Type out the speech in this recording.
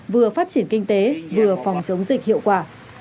vừa phát triển kinh tế vừa phòng chống dịch hiệu quả